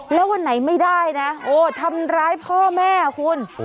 แล้ววันไหนไม่ได้นะโอ้ทำร้ายพ่อแม่คุณ